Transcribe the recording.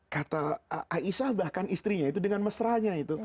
kata aisyah bahkan istrinya itu dengan mesra nya itu